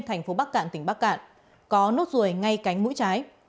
tp bắc cạn tỉnh bắc cạn có nốt ruồi ngay cánh mũi trái